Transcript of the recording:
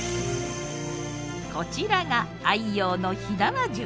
こちらが愛用の火縄銃。